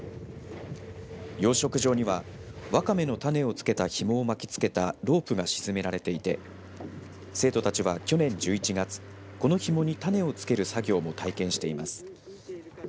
養殖場にはわかめの種を付けたひもを巻きつけたロープが沈められていて生徒たちは去年１１月このひもに種を付ける作業も体験しています。